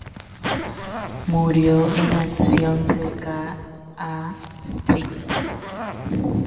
Murió en acción cerca a St.